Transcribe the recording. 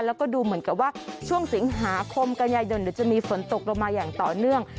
แล้วก็ดูเหมือนกับว่าช่วงสิงหาคมกันยายนเดี๋ยวจะมีฝนตกลงมาอย่างต่อเนื่อง